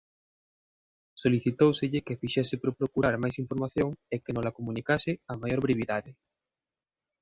Solicitóuselle que fixese por procurar máis información e que nola comunicase á maior brevidade.